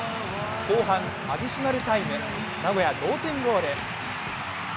後半アディショナルタイム、名古屋同点ゴール。